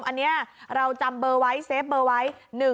อันนี้เราจำเบอร์ไว้เซฟเบอร์ไว้